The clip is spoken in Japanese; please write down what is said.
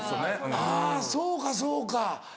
あぁそうかそうか。